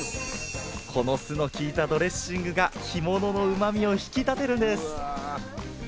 この酢のきいたドレッシングが干物のうまみを引き立てるんです。